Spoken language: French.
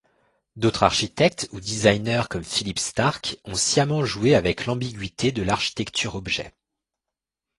D'autres architectes ou Designers comme Philippe Starck, ont sciemment joué avec l'ambiguïté de l'architecture-objet.